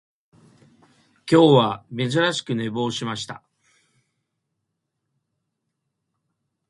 今日は珍しく寝坊しました